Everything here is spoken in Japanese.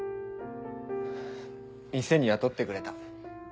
店に雇ってくれた。